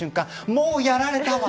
もうやられたわ！